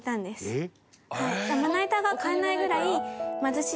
えっ！